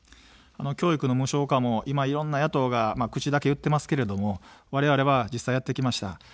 教育の無償化も今、いろんな野党が口だけ言ってますけれども、われわれは実際やってきました。